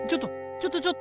ちょっとちょっと！